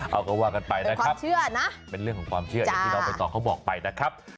เอาก็ว่ากันไปนะครับเชื่อนะเป็นเรื่องของความเชื่ออย่างที่น้องใบตองเขาบอกไปนะครับ